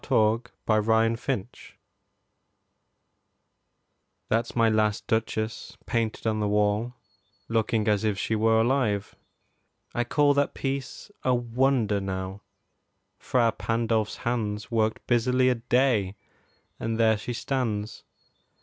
MY LAST DUCHESS Ferrara That's my last Duchess painted on the wall, Looking as if she were alive. I call That piece a wonder, now: Fra Pandolf's hands Worked busily a day, and there she stands.